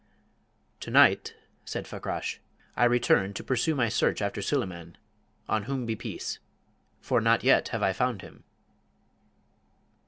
"To night," said Fakrash, "I return to pursue my search after Suleyman (on whom be peace!). For not yet have I found him."